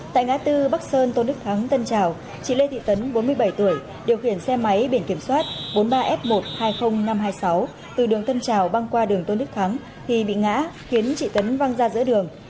tại ngã tư bắc sơn tôn đức thắng tân trào chị lê thị tấn bốn mươi bảy tuổi điều khiển xe máy biển kiểm soát bốn mươi ba f một trăm hai mươi nghìn năm trăm hai mươi sáu từ đường tân trào băng qua đường tôn đức thắng thì bị ngã khiến chị tấn văng ra giữa đường